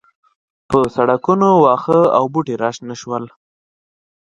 پر سړکونو واښه او بوټي راشنه شول.